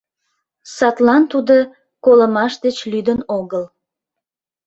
Садлан тудо колымаш деч лӱдын огыл.